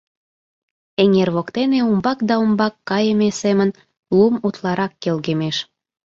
Эҥер воктене умбак да умбак кайыме семын лум утларак келгемеш.